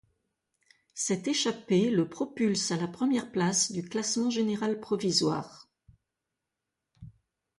Cette échappée le propulse à la première place du classement général provisoire.